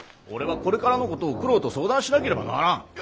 俺はこれからのことを九郎と相談しなければならん。